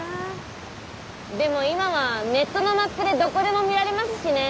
でも今はネットのマップでどこでも見られますしねー。